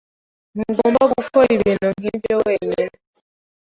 Ntugomba gukora ibintu nkibyo wenyine.